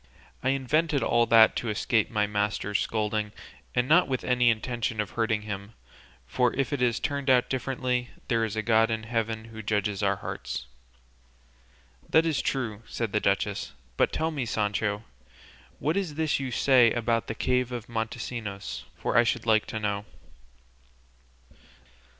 I invented all that to escape my master's scolding, and not with any intention of hurting him; and if it has turned out differently, there is a God in heaven who judges our hearts." "That is true," said the duchess; "but tell me, Sancho, what is this you say about the cave of Montesinos, for I should like to know."